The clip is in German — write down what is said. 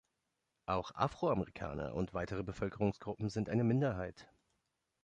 Auch Afroamerikaner und weitere Bevölkerungsgruppen sind eine Minderheit.